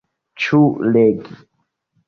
Ĉu legi?